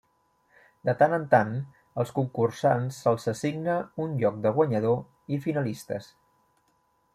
De tant en tant als concursants se'ls assigna un lloc de guanyador i finalistes.